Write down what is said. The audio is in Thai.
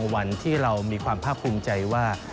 วันที่เรามีความภาคภูมิใจว่า